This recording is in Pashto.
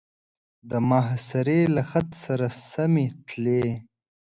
د محاصرې له خط سره سمې تلې.